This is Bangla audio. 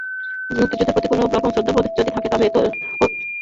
মুক্তিযুদ্ধের প্রতি কোনো রকম শ্রদ্ধাবোধ যদি থাকে, তবে ত্বকী হত্যার বিচার করবেন।